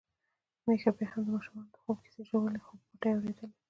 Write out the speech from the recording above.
میښه بيا هم د ماشومانو د خوب کیسې ژولي، خو په پټه يې اوريدلې.